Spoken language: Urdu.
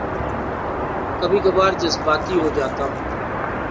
کبھی کبھار جذباتی ہو جاتا ہوں